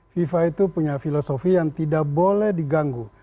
fifa itu punya filosofi yang tidak boleh diganggu